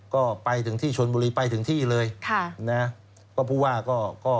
ก็ไปถึงที่ชนบุรีไปถึงที่เลยค่ะนะก็ผู้ว่าก็ก็